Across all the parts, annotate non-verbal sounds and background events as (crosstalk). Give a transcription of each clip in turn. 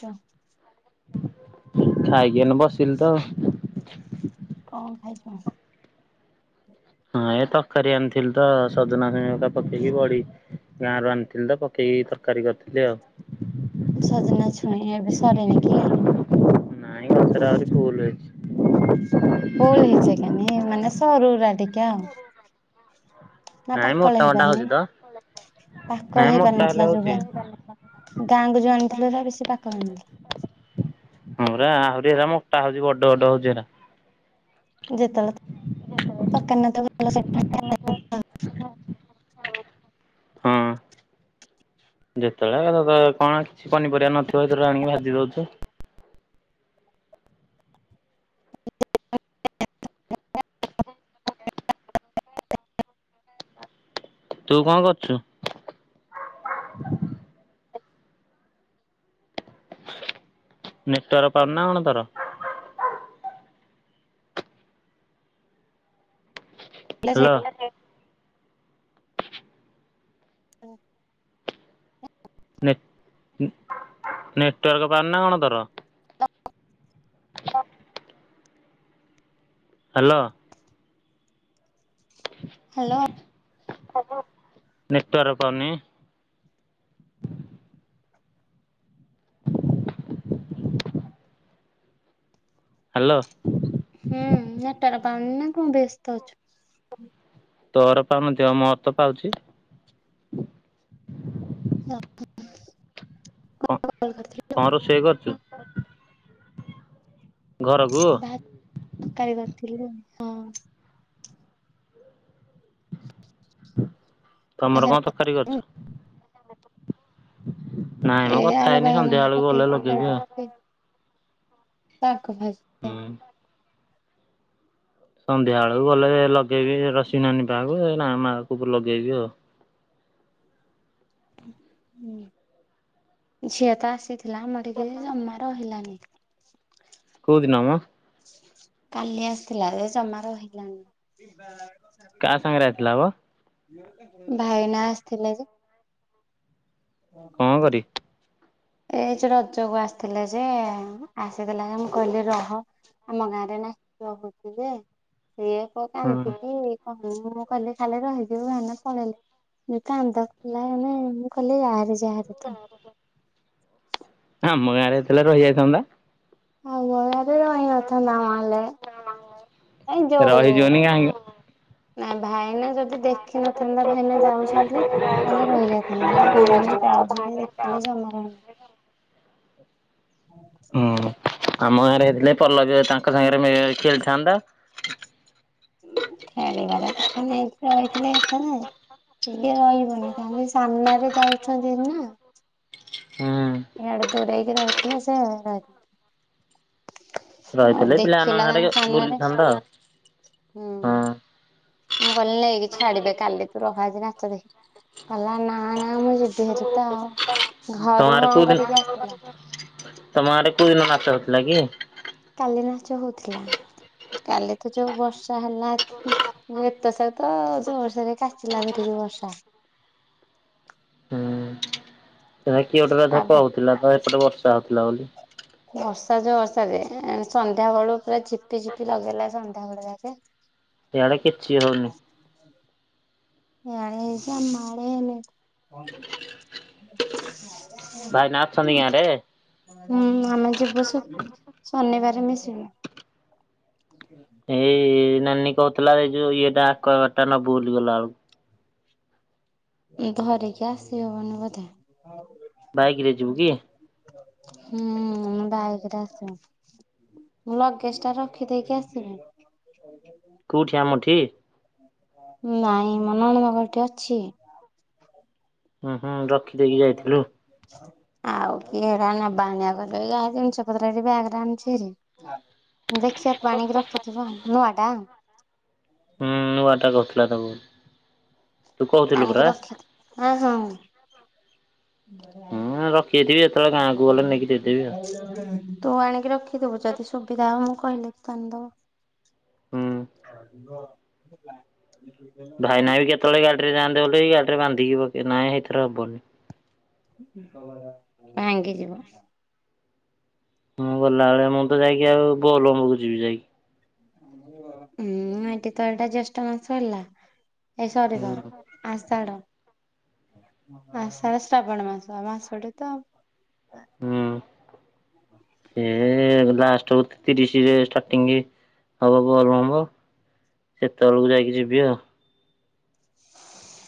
ଛା ଖାଇକି ଏଇନ ବସିଲି ତ। କଣ ଖାଇଛ? ହଁ ଏ ତରକାରୀ ଆଣିଥିଲି ତ ସଜନା ସା (unintelligible) ପକେଇକି ବଡି ଗାଁ ରୁ ଆଣିଥିଲି ତ ପକେଇକି ତରକାରୀ କରିଥିଲି ଆଉ। ସଜନା ଛୁଇଁ ଏବେ ସରିନି କି? ନାଇ ଗଛରେ ଆହୁରି ଫୁଲ୍ ହେଇଛି। ଫୁଲ ହେଇଛି କାନି ମାନେ ସରୁୁରା ଟି ଜ୍ଞା, ନା ନାଇଁ ପାକଳ ମୋଟା ମୋଟା ହଉଛି ହେଇପାରିନି ତ ନାଇଁ ପାକଳ ହେଇପାରି ମୋଟା ହେଲେ ନଥିଲା ହଉଛି। ଯମା। ଗାଁକୁୁ ଯୋଉ ଆଣିଥିଲ ତ ବେଶୀ ପାକାଳ ହେଇନଥିଲା। ହଁ ରା ଆହୁରି ଏରା ମୋଟା ହଉଚି ବଡ ବଡ ହଉଚି ହେରା। ଯେତେବେଳେ ତ କେ ତ ଭଲ ସେ ସେଠା ହଁ। ଯେତେବେଳେ ହେ କ ତ କଣ କିଛି ପନିପରିବା ନଥିବ ସେଥିବେୁ ଆଣିକି ଭାଜି ଦଉଚୁ। (inaudible) ତୁ କଣ କରୁଚୁ? ନେଟୱର୍କ ପାଉନିନା କଣ ତର? ସେଥିଲା ସେ ହାଲୋ। ହଁ। ନେଟ ନେଟୱାର୍କ ପାଉନି ନା କଣ ତୋର? (inaudible) ହାଲୋ। (inaudible) ହାଲୋ। ନେଟୱର୍କ ପାଉନି। ହାଲୋ। ହୁଁ ନେଟୱର୍କ ପାଉନି ନା କ ବ୍ୟସ୍ତ ଅଛୁ। ତୋର ପାଉନଥିବ ମୋରତ ପାଉଚି। ହ। କ କରିଥିଲି କଣ ରୋଷେଇ କରିଚୁ? ଘରକୁ? ଭା ତରକାରୀ କରିଥିଲି ହଁ। ତମର କଣ ତରକାରୀ କରିଚ? ନାଇଁ ମ ଏ କଥା ଆଳୁ ହେଇନି ସନ୍ଧ୍ୟା ବାଇଗଣ ବେଳକୁ ଗଲେ ପକେଇକି ଲଗେଇବି ତରକାରି ଆଉ। କରିଥିଲି ତାଙ୍କ ପାଇଁ ହୁଁ। ସନ୍ଧ୍ୟାବେଳକୁ ଗଲେ ଲଗେଇବି ରସି ନାନୀ ପାହାକୁ ନା ମାକୁ ଲଗେଇବି ଆଉ। ହୁଁ ଝିଅ ତ ଆସିଥିଲା ଆମର ଟିକେ ଜମା ରହିଲାନି। କଉ ଦିନମ? କାଲି ଆସିଥିଲା ଏ ଜମା ରହିଲାନି। କା ସାଙ୍ଗରେ ଆସିଲା ହୋ? ଭାଇନା ଆସିଥିଲେ ଯେ। କଣ କରି ଏଇଟି ଯୋଉ ରଜ କୁ ଆସିଥିଲେ ଯେ ଆସିଥିଲା ଯେ ମୁଁ କହିଲି ରହ ଆମ ଗାଁରେ ନାଚ ହଉଚି ଯେ ସିଏ କ ହୁଁ କାନ୍ଦିକି କ ହଁ ମୁଁ କହିଲି ଖାଲି ରହିଯିବ ଭ ନା ପଳେଇଲେ। କାନ୍ଦ କଲା ମାନେ ମୁଁ କହିଲି ଯାହାର ଯାହାରି ତ (inaudible) ହଁ ଆମ ଗାଁରେ ଏଥିଲା ରହିଯାଇଥାନ୍ତା। ହଁ ଆମ ଗାଁରେ ଯାଇନ ଥାନ୍ତା ନ ହେଲେ ଏଇ ଯୋଉ ରହିଯିବନି କାହିଁକି ନା ଭାଇନା ଯଦି ଦେଖିନଥାନ୍ତା ଭାଇନା ଯାଉ ଚ ନ୍ତି ତାହେଲେ ରହିଯାଇଥିଲା ଆଉ ଭାଇଣୀ ଯାଉଚନ୍ତି ଦେଖଥିଲି ଜମା ରହିନ (inaudible) ହୁଁ ଆମ ଗାଁରେ ହେଇଥିଲେ ପଲ୍ଲବୀ ତାଙ୍କ ସାଙ୍ଗରେ ମି ଖେଳିଥାନ୍ତା। ଖେଳିବାର କଥା ନେଇକି ରହିଥିଲେ ହେଇଥାନ୍ତା ଆଉ। ଟିକେ ରହିବନି କାହିଁକି ସାମ୍ନାରେ ଯାଉଛନ୍ତି ନା। ହୁଁ। ଇଆଡ଼େ ଦୂରେଇକି ରହିଥିଲେ ସେ ଆଉ ରହିଥିଲେ ପିଲାମାନଙ୍କ ଦେଖିଲା ତାଙ୍କ ସାଙ୍ଗରେ ସାମ୍ନାରେ ବୁଲିଥାନ୍ତା ଆଉ ହୁଁ। ହଁ। ମୁଁ କହିଲି ନେଇକି ଛାଡ଼ିବେ କାଲି ତୁ ରହ ଆଜି ରାତିରେ। କହିଲା ନା ନା ମୁଁ ଯିବି। ଯିବିନି ତ ଆଉ ତମ ଘରୁ ଗାଁରେ ହଁ କୋଉ ଦିନ କରିକି ଆସିଥିଲା। ତମ ଆଡ଼େ କୋଉ ଦିନ ନାଚ ହଉଥିଲା କି? କାଲି ନାଚ ହଉଥିଲା କାଲି ତ ଯୋଉ ବର୍ଷା ହେଲା (inaudible) ଯେତ ସେତ ଯୋର ସରେ କାଚିଲା ଧରିକି ବର୍ଷା। ସେ କିଏ ଗୋଟେ କଥା ତାପରେ କହୁଥିଲା ତ ଏପଟେ ବର୍ଷା ହଉଥିଲା ବୋଲି। ବର୍ଷା ଯୋଉ ବର୍ଷା ରେ ସନ୍ଧ୍ୟା ବେଳୁ ପୁରା ଝିପି ଝିପି ଲଗେଇଲା ସନ୍ଧ୍ୟା ବେଳେ ଯାକେ। ଏଇ ଆଡ଼େ କିଛି ହଉନି। ଇଆଡେ ହେଇଚି ଆମ ଆଡେ ହେଇନି। ଭାଇନା ଅଛନ୍ତି ଗାଁରେ? (inaudible) ହୁଁ ଆମେ ଯିବୁ ସେ- ଶନିବାର ମିଶିକି। ଏଇ ନାନୀ କହୁଥିଲା ଏଇ ଯୋଉ ଇଏଟା ଆକୱାଗାର୍ଡ ଟା ନବୁ ବୋଲି ଗଲା ବେଳକୁ। ଧରିକି ଆସି ହବନି ବୋଧେ। ବାଇକ୍ ରେ ଯିବୁ କି ହୁଁ ମୁ ବାଇକରେ ଆସେ। ଲଗେଜ ଟା ରଖିଦେଇକି ଆସିଲି। (inaudible) କେଉଁଠି ଆମଠି? ନାଇଁ ମନେ ମନେ କଣ ଏଇଠି ଅଛି? ହୁଁ ହୁଁ ରଖିଦେଇକି ଯାଇଥିଲୁ। ଆଉ କିଏ ନେବା ଆଣିବା କରିବ ଯାହା ଜିନିଷ ପତ୍ର ବ୍ୟାଗରେ ଆଣିଛି ହେରି। ଦେଖିବା ପାଣିକି ରଖିଥିବ ନୂଆ ଟା? ହୁଁ ନୂଆ ଟା କରିଥିଲା ତାକୁ ଆଣିକି ରଖିଥା ହଁ। ହୁଁ ରଖିଦେଇଥିବି ଯେତେବେଳେ ଗାଁକୁ ଗଲେ ନେଇକି ଦେଇଦେବି ଆଉ। (inaudible) ତୁ ଆଣିକି ରଖିଦବୁ ଯଦି ସୁବିଧା ହବ ମୁଁ କହିଲେ ତ ହୁଁ ଆଣିଦେବ। ହଁ। ଭାଇନା ବି କେତେବେଳେ ଗାଡ଼ିରେ ଯାଆନ୍ତେ ବେଳେ ଗାଡ଼ିରେ ବାନ୍ଧିକି ପକେଇ ନାଁ ଏଥେରେ ହବନି। ଭାଙ୍ଗି ଯିବ। ହଁ ଗଲାବେଳେ ମୁଁ ତ ଯାଇକି ଆଉ ବଲମ୍ବକୁ ଯିବି ଯାଇକି। ହୁଁ ଏଠି ତ ଏଇଟା ଜେଷ୍ଠ ମାସ ହେଲା ଏଇ ସରିଲା। ହୁଁ ଆଷାଢ଼ ଆଷାଢ଼ ଶ୍ରାବଣ ମାସ ମାସଟି ତ। ହୁଁ ସେ- ଲାଷ୍ଟ ହଉ ତିରିଶରେ ଷ୍ଟାର୍ଟିଂ। ହବ ବଲ୍ ବମ୍ୱ ସେତେବେଳକୁ ଯାଇକି ଯିବି ଆଉ।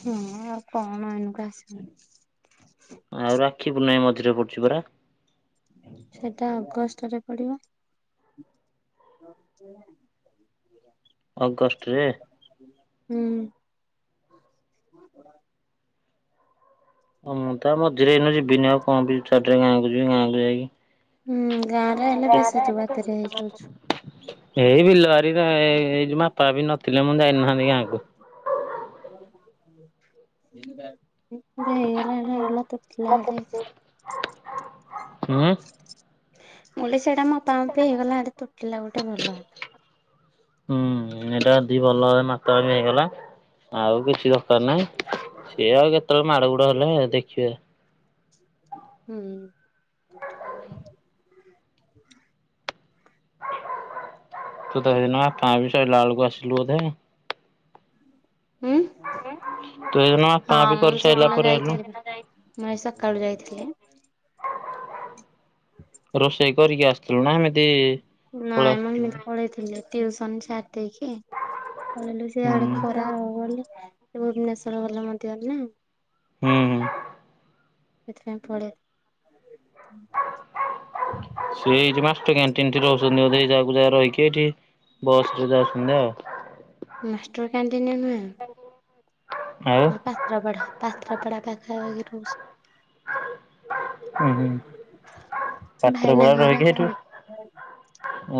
ହଁ ଆଉ କଣ ଏଇନୋକ ଆସିବନି। ଆଉ ରାକ୍ଷୀ ପୁନେଇ ମଝିରେ ପଡୁଛି ପରା। ସେଟା ଅଗଷ୍ଟରେ ପଡ଼ିବ। ଅଗଷ୍ଟ ରେ? ହୁଁମ ହଁ ମୁଁ ତା ମଝିରେ ଏଇନୁ ଯିବିନି ଆଉ କଣ ବି ଚିରେ ଗାଁକୁ ଯିବି ଗାଁକୁ ଯାଇକି ହୁଁ ଗାଁ ରେ ହେଲେ ବେଶୀ ତୁ ବାତେରେ ହେଇଯାଉଛୁ। (inaudible) (unintelligible) ଏଇ ବିଲବାରି ତ ଏ ଏଇ ଯୋଉ ମାପା ବି ନଥିଲେ ମୁଁ ଯାଇନାହାନ୍ତି ଗାଁକୁ। ଏ (inaudible) ବେ ହେଇଗଲା ହେଲା (unintelligible) ହୁଁ। ମୁ ସେଟା ମୋପା ମପି ହେଇଗଲା ସେଟେ ତୁଟିଲା ଗୋଟେ ଭଲ ହେଲା। ହୁଁ ଏଇଟା ଦି ଭଲ ଭ ମାତା ହେଇଗଲା। ଆଉ କିଛି ଦରକାର ନାହିଁ ଇଏ ଆଉ କେତେବେଳେ ମାଡ ଗୋଡ ହେଲେ ଦେଖିବା। ହୁଁ। (inaudible) ତୁ ତଇ କାଁ ବି ସ ଲାଳକୁ ଆସିଲୁ ବୋଧେ? ହୁଁ। ତୁ ଏ ଜଣ କା ବି କରିସାରିଲା ପରେ ହେଲୁ। ମଇ ସକାଳୁ ଯାଇଥିଲି। (inaudible) ରୋଷେଇ କରିକି ଆସିଥିଲୁ ନା ଏମିତି? ପଳେଇ ନାଇଁ ମୁଁ ଆସିଥିଲୁ ଏମିତି ହୁଁ। ପଳେଇଥିଲି ଟି ସାର୍ ଦେଇକି ପଳେଇଲୁ ହୁଁ ସେଆଡେ ଖରା ହବ ବୋଲି ସେ ଭୁବନେସ୍ୱର ଗଲା ମଧ୍ୟରେ ନାଇ ହ ହ ଏଥି ପାଇଁ ପଳେଇ ହୁଁ (inaudible) ସେ ଏଇଠି ମାଷ୍ଟ କ୍ୟାଣ୍ଟିନଟି ରହୁଛନ୍ତି ଯାକୁ ଯା ରହିକି ଏଇଠି ବସ ରେ ଯାଉଛନ୍ତି ଆଉ ମାଷ୍ଟର କ୍ୟାଣ୍ଟିନେ ନୁହେଁ ହ ହେଁ ପାତ୍ରପଢ଼ା ପାତ୍ରପଡା ପାଖାହୁଛି ହଉ (unintelligible) ହୁଁ ହୁଁ ପାତ୍ର ବଳା ଭାଇନାଙ୍କ ରହିକି ସେଠୁ ପାଖରେ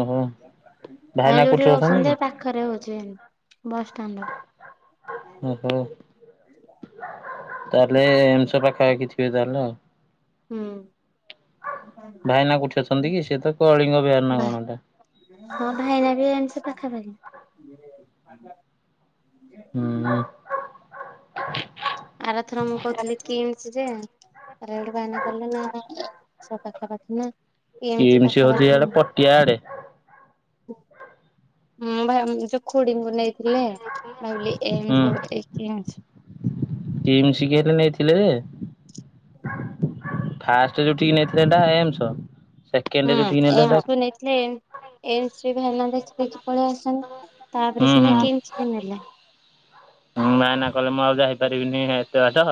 ଓହୋ ଭାଇ ଭାଇନା ଯୋଉଠି କୋଉଠି ଅଛନ୍ତି ରହୁଛନ୍ତି କି? ପାଖରେ ହଉଛିତି ବସ ଷ୍ଟାଣ୍ଡ ର ଓହୋ ତାହେଲେ ଏମ୍ ସେ ପାଖା ପାଖି ଥିବେ ତାହେଲେ ଆଉ ହୁଁ ଭାଇନା କ ଉଠି ଅଛନ୍ତି କି ସେ ତ କଳିଙ୍ଗ ବିହାର ନା ବା କଣଟା ହଁ ଭାଇନା ବି ଏମ୍ ସେ ପାଖାପାଖି ହୁଁ। ଆରଥର ମୁଁ କହୁଥିଲି କିମ୍ସ ରେ ଆରେ ଏଠୁ ବାନା କଲେ ନା ସ ପାଖାପାଖି ନା ଏମତି କିମି ସେ ପାଖାପାଖି ହଉଛିଇଆଡେ ପଟିଆ ଆଡେ ହୁ ଭାଇ ଯଉ ଖୁଡିଙ୍କୁ ନେଇଥିଲେ ଭାଇ ଏମ ହୁଁ ସବୁ ଏ କେମଛି (inaudible) କିମ୍ ଶିକ ହେ ନେଇଥିଲେ ଯେ ଫାଷ୍ଟ ଯୋଉଠିକି ନେଇଥିଲେ ଏଟା ଏମ୍ ସ ସେକେଣ୍ଡରେ ଯୋଉ ଠିକି ନେଲେ ହେଟା ସେ ନେଇଥିଲେ ଏମ୍ ଏମ୍ସେ ରେ ବି ଭାଇନା ଦେଖି ଦେଖି ପଳେଇ ଆସନ ତାପରେ ସିନା କିମ୍ସ କୁନେଲେ ହଁ ନା ନା କଲେ ମୁଁ ଆଉ ଯାଇପାରିବିନି ଏତେ ବାଟ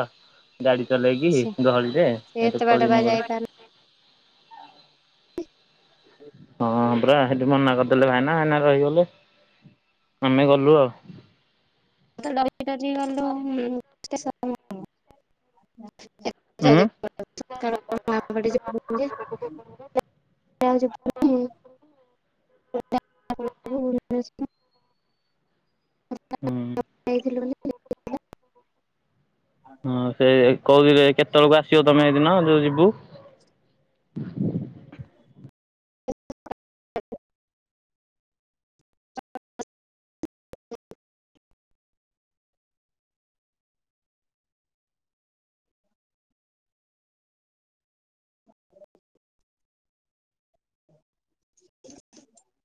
ଗାଡି ଚଲେଇକି ଛି ଦହଳିରେ ସେ ସେଠୁ ଏତେ ବାଟ ବା ପଳେଇ ମୁ ଯାଇପାରୁନ ହଁ ପୁରା ସେଠି ମନା କରିଦେଲେ ଭାଇନା ଭାଇନା ରହିଗଲେ ଆମେ ଗଲୁ ଆଉ ଡଲି ଡଲି ଗଲ ଉଁ (unintelligible) (unintelligible) (unintelligible) ହୁଁ। ଯାଇଥିଲୁ ବୋଲି। ହଁ ସେ କହୁଥିଲି କେତେବେଳକୁ ଆସିବ ତମେ ଏଇ ଦିନ ଯୋଉ ଯିବୁ।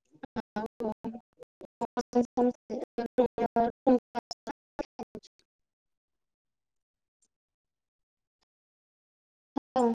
(unintelligible) (inaudible) ହେଁ ଲୋ